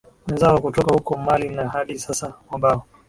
wenzao kutoka huko mali na hadi sasa mabao